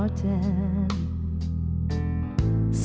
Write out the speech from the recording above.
สวัสดีค่ะ